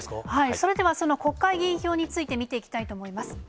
それではその国会議員について見ていきたいと思います。